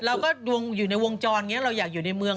ดวงอยู่ในวงจรอย่างนี้เราอยากอยู่ในเมือง